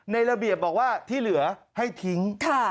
ระเบียบบอกว่าที่เหลือให้ทิ้ง